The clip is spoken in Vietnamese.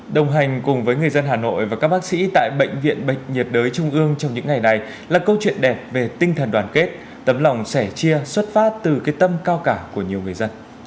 đồng hành cùng với người dân hà nội và các bác sĩ tại bệnh viện bệnh nhiệt đới trung ương trong những ngày này là câu chuyện đẹp về tinh thần đoàn kết tấm lòng sẻ chia xuất phát từ tâm cao cả của nhiều người dân